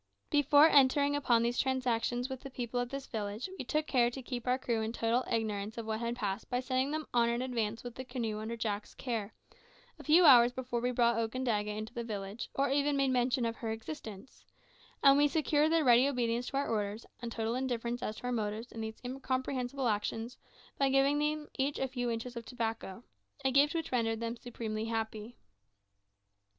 Before entering upon these transactions with the people of this village, we took care to keep our crew in total ignorance of what passed by sending them on in advance with the canoe under Jack's care, a few hours before we brought Okandaga into the village, or even made mention of her existence; and we secured their ready obedience to our orders, and total indifference as to our motives in these incomprehensible actions, by giving them each a few inches of tobacco a gift which rendered them supremely happy.